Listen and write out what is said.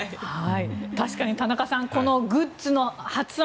確かに田中さんグッズの発案